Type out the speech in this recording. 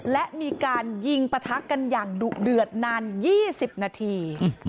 และมีการยิงปะทะกันอย่างดุเดือดนาน๒๐นาที